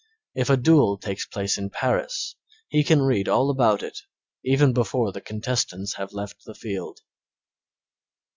If a duel takes place in Paris he can read all about it even before the contestants have left the field.